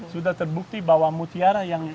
sudah terbukti bahwa mutiara yang